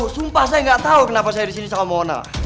sumpah saya nggak tahu kenapa saya di sini sama mona